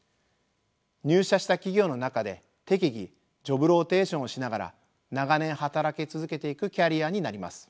入社した企業の中で適宜ジョブローテーションをしながら長年働き続けていくキャリアになります。